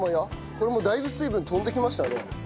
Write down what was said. これもうだいぶ水分飛んできましたね。